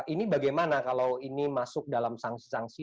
ini bagaimana kalau ini masuk dalam sanksi sanksi